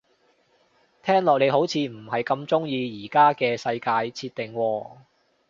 聽落你好似唔係咁鍾意而家嘅世界設定喎